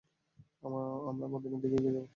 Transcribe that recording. আমরাই মদীনার দিকে এগিয়ে যাব।